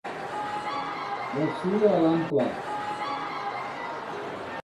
Vestir a l'ample.